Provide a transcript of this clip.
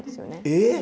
えっ！？